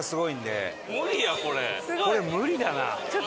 これ無理だな。